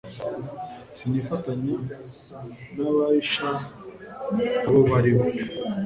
sinifatanya n abahisha abo bari bo